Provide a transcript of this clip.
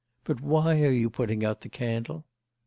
But why are you putting out the candle?